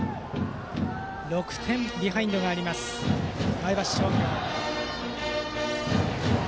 ６点ビハインドがあります前橋商業。